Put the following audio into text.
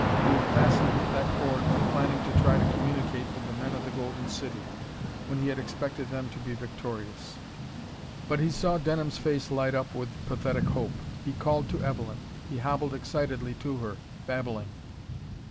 He had fastened that cord when planning to try to communicate with the men of the Golden City, when he had expected them to be victorious. But he saw Denham's face light up with pathetic hope. He called to Evelyn. He hobbled excitedly to her, babbling....